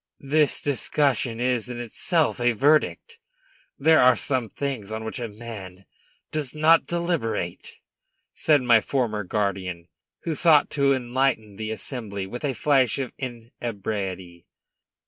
"This discussion is, in itself, a verdict. There are some things on which a man does not deliberate," said my former guardian, who thought to enlighten the assembly with a flash of inebriety.